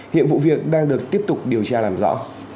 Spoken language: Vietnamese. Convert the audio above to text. hiện vụ việc đang được tiếp tục điều tra làm rõ